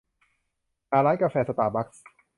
หาร้านกาแฟสตาร์บักส์